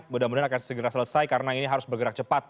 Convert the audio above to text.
mudah mudahan akan segera selesai karena ini harus bergerak cepat